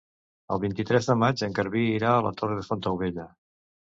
El vint-i-tres de maig en Garbí irà a la Torre de Fontaubella.